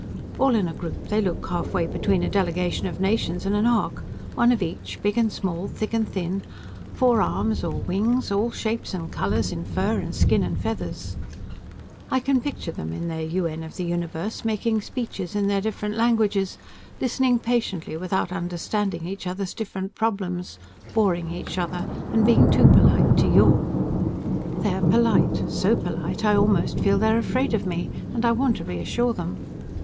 All in a group they look half way between a delegation of nations and an ark, one of each, big and small, thick and thin, four arms or wings, all shapes and colors in fur and skin and feathers. I can picture them in their UN of the Universe, making speeches in their different languages, listening patiently without understanding each other's different problems, boring each other and being too polite to yawn. They are polite, so polite I almost feel they are afraid of me, and I want to reassure them.